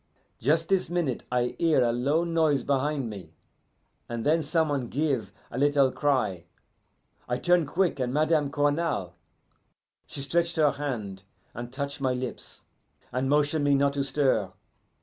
"Just this minute I hear a low noise behind me, and then some one give a little cry. I turn quick and Madame Cournal. She stretch her hand, and touch my lips, and motion me not to stir.